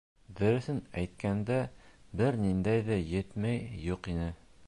Дөрөҫөн әйткәндә, бер ниндәй ҙә йәтмә юҡ ине.